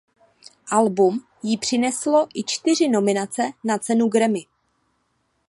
Album ji přineslo i čtyři nominace na cenu Grammy.